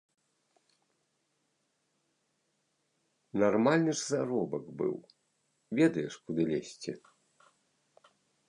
Нармальны ж заробак быў, ведаеш, куды лезці.